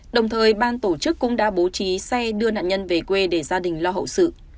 đồng thời ban tổ chức cũng đã bố trí xe đưa nạn nhân về quê để gia đình lo hậu sự